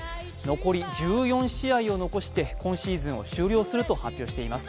残り１４試合を残して今シーズンを終了すると発表しています。